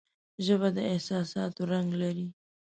ژبه د احساساتو رنگ لري